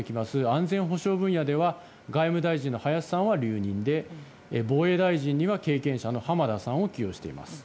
安全保障分野では外務大臣の林さんは留任で防衛大臣には経験者の浜田さんを起用しています。